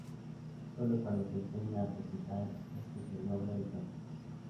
Solo cuando se enseña a pensar es que se logra educación.